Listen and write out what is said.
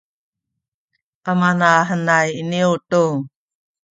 amanahenay iniyu tu